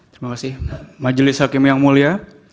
terima kasih majelis hakim yang mulia